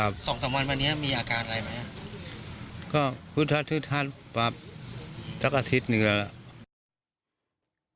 ๒๓วันมานี้มีอาการอะไรไหมก็ฮึดฮัดประมาณสักอาทิตย์หนึ่งแล้ว